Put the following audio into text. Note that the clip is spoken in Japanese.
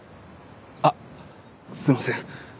あっすいません。